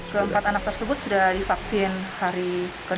keempat anak tersebut sudah divaksin hari ke